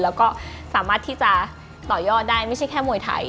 แล้วก็สามารถที่จะต่อยอดได้ไม่ใช่แค่มวยไทย